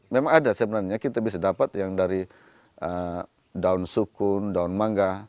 memang ada sebenarnya kita bisa dapat yang dari daun sukun daun mangga